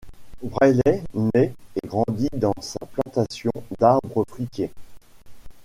Bailey naît et grandit dans une plantation d'arbres fruitiers.